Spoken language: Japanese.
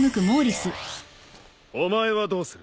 お前はどうする？